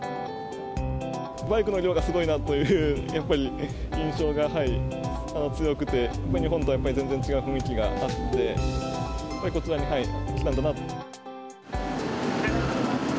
バイクの量がすごいなという、やっぱり印象が強くて、日本とはやっぱり全然違う雰囲気があって、こちらに来たんだなと。